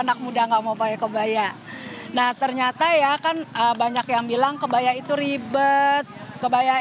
anak muda nggak mau bayar kebaya nah ternyata ya kan banyak yang bilang kebaya itu ribet kebaya